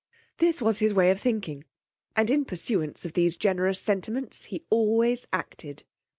This was his way of thinking, and in pursuance of these generous sentiments he always acted.